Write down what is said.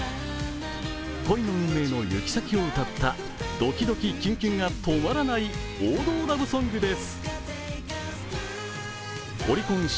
恋の運命の行き先を歌ったドキドキキュンキュンが止まらない王道ラブソングです。